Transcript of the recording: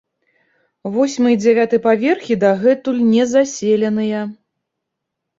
Восьмы і дзевяты паверхі дагэтуль незаселеныя.